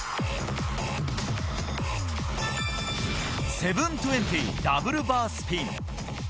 ７２０ダブルバースピン。